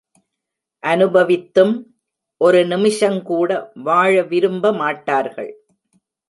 அநுபவித்தும், ஒரு நிமிஷங்கூட வாழ விரும்ப மாட்டார்கள்.